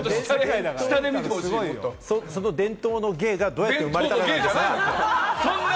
その伝統の芸がどうやって生まれたか。